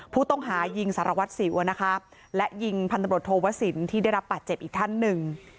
ผู้ต้องหายิงสารวัตรสิวและยิงพันธบทโทวสินที่ได้รับบาดเจ็บอีกท่านหนึ่ง